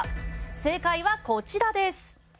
正解はこちらです。